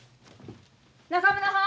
中村はん！